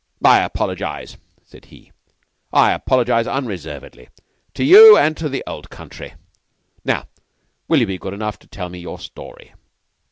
"I apologize," said he. "I apologize unreservedly to you, and to the Old Country. Now, will you be good enough to tell me your story?"